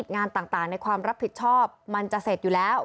ในความรับผิดชอบมันจะเสร็จอยู่แล้ว